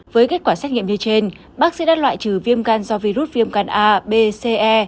với kết quả xét nghiệm như trên bác sĩ đã loại trừ viêm gan do virus viêm gan a b c e